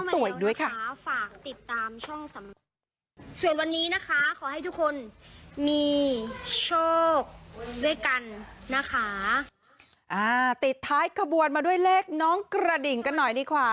ด้วยกันนะคะอ่าติดท้ายกระบวนมาด้วยเลขน้องกระดิ่งกันหน่อยนี่ค่ะ